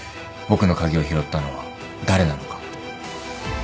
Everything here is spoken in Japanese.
僕の鍵を拾ったのは誰なのか。